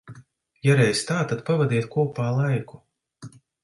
Ja reiz tā, tad pavadiet kopā laiku.